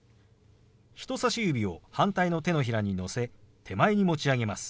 人さし指を反対の手のひらにのせ手前に持ち上げます。